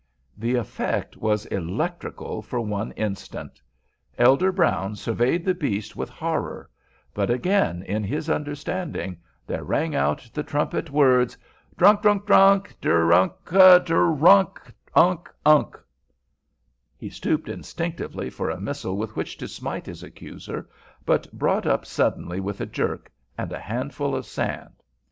The effect was electrical for one instant. Elder Brown surveyed the beast with horror, but again in his understanding there rang out the trumpet words. "Drunk, drunk, drunk, drer unc, er unc, unc, unc." He stooped instinctively for a missile with which to smite his accuser, but brought up suddenly with a jerk and a handful of sand.